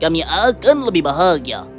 kami akan lebih bahagia